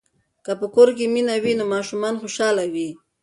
که په کور کې مینه وي نو ماشومان خوشاله وي.